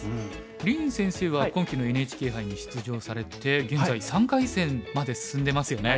林先生は今期のＮＨＫ杯に出場されて現在３回戦まで進んでますよね。